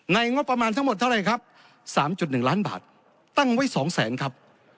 งบประมาณทั้งหมดเท่าไหร่ครับ๓๑ล้านบาทตั้งไว้๒แสนครับ